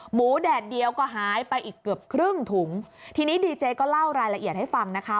แดดเดียวก็หายไปอีกเกือบครึ่งถุงทีนี้ดีเจก็เล่ารายละเอียดให้ฟังนะคะ